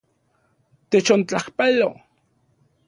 Techontlajpalo.